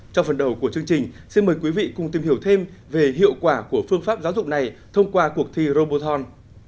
trong phần đầu của chương trình xin mời quý vị cùng tìm hiểu thêm về hiệu quả của phương pháp giáo dục này thông qua cuộc thi roboton